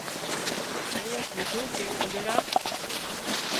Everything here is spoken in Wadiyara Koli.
اينڻيئي ڪيڌون ڪي اونۮيڙا